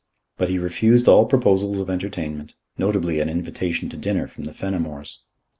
But he refused all proposals of entertainment, notably an invitation to dinner from the Fenimores.